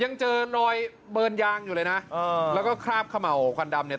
ยังเจอรอยเบิร์นยางอยู่เลยนะเออแล้วก็คราบเขม่าวควันดำเนี่ย